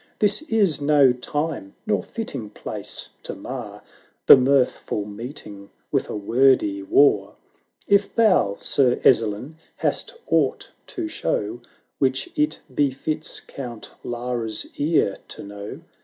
This is no time nor fitting place to mar The mirthful meeting with a wordy war. If thou. Sir Ezzelin, hast aught to show Which it befits Count Lara's ear to know.